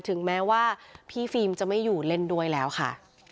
ถึงแม้ว่าพี่ฟิล์มจะไม่อยู่เล่นด้วยแล้วค่ะ